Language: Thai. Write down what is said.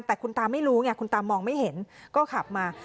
แต่คุณตาไม่รู้ไงคุณตามองไม่เห็นก็ขับมา